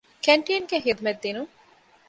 ކެންޓީންގެ ހިދުމަތް ދިނުން